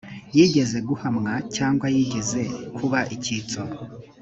yigeze guhamwa cyangwa yigeze kuba icyitso